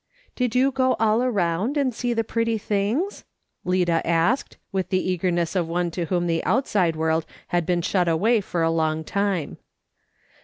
"Did you go all around, and see the pretty things ?" Lida asked, with the eagerness of one to whom the outside world had been shut away for a long time.